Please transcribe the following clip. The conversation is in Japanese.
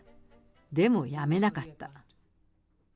でもやめなかった。